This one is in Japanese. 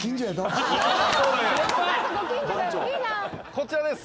こちらです！